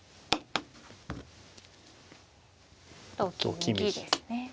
同金右ですね。